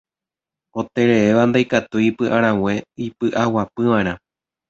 Otereréva ndaikatúi ipyʼarag̃e ipyʼaguapyvaʼerã.